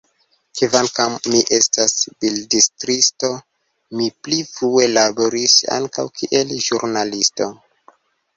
Kvankam mi estas bildstriisto, mi pli frue laboris ankaŭ kiel ĵurnalisto.